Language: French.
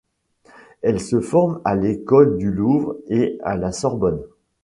Elle se forme à l'École du Louvre et à la Sorbonne.